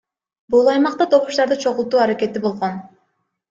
Бир аймакта добуштарды чогултуу аракети болгон.